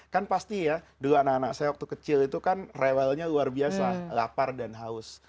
kan pasti ya dulu anak anak saya waktu kecil itu kan rewelnya luar biasa lapar dan haus